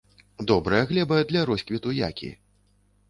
Добрая глеба для росквіту які.